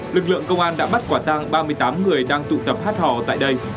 lực lượng công an đã bắt quả tang ba mươi tám người đang tụ tập hát hò tại đây